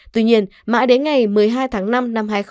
tuy nhiên mãi đến ngày một mươi hai tháng năm năm hai nghìn hai mươi